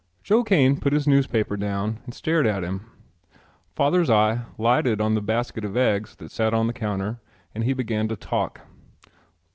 Joe Kane put his newspaper down and stared at him. Father's eye lighted on the basket of eggs that sat on the counter and he began to talk.